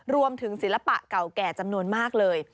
ศิลปะเก่าแก่จำนวนมากเลย